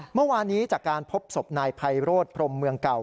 เมื่อวานนี้จากการพบศพนายไพโรธพรมเมืองเก่า